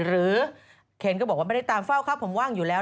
เคนก็บอกว่าไม่ได้ตามเฝ้าครับผมว่างอยู่แล้ว